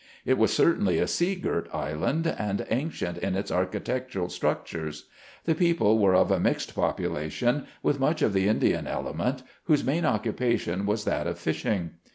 It was certainly a sea girt island, and ancient in its architectural structures. The people were of a mixed population, with much of the Indian element, whose main occupation was that of fishing.